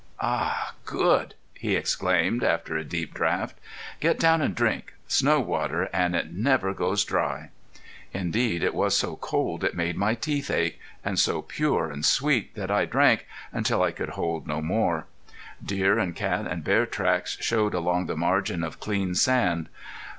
"Ah h good!" he exclaimed, after a deep draught. "Get down an' drink. Snow water an' it never goes dry." Indeed it was so cold it made my teeth ache, and so pure and sweet that I drank until I could hold no more. Deer and cat and bear tracks showed along the margin of clean sand.